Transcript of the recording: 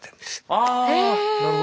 ああなるほど。